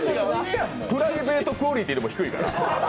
プライベートクオリティーより低いから。